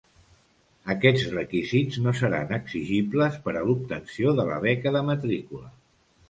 Aquests requisits no seran exigibles per a l'obtenció de la beca de matrícula.